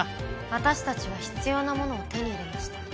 私たちは必要なものを手に入れました。